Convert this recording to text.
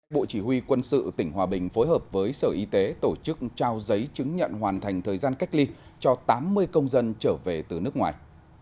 bộ chỉ huy quân sự tỉnh hòa bình phối hợp với sở y tế tổ chức trao giấy chứng nhận hoàn thành thời gian cách ly cho tám mươi công dân trở về từ nước ngoài